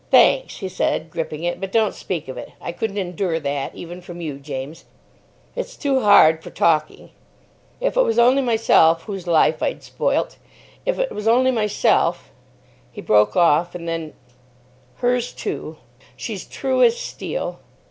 "Thanks," he said, gripping it; "but don't speak of it. I couldn't endure that, even from you, James. It's too hard for talking. If it was only myself whose life I'd spoilt—if it was only myself——" He broke off. And then, "Hers too. She's true as steel."